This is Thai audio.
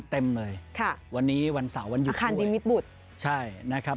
เต็มเลยค่ะวันนี้วันเสาร์วันหยุดคันนิมิตบุตรใช่นะครับ